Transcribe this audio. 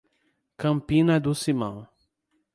Campina do Simão